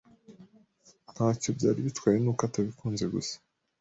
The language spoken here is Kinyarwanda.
Ntacyo byari bitwaye nuko atabikunze gusa